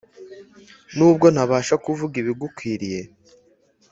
nubwo ntabasha kuvugaibigukwiriye